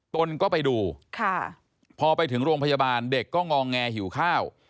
ตนก็ไปดูพอไปถึงโรงพยาบาลเด็กก็งอแงหิวข้าว